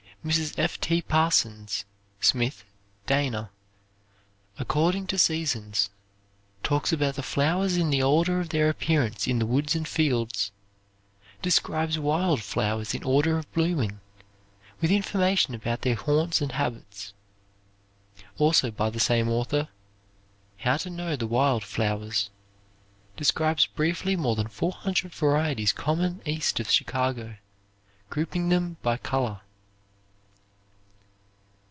Mrs. F. T. Parsons' (Smith) Dana. "According to Seasons"; talks about the flowers in the order of their appearance in the woods and fields. Describes wild flowers in order of blooming, with information about their haunts and habits. Also, by the same author, "How to Know the Wild Flowers". Describes briefly more than 400 varieties common east of Chicago, grouping them by color.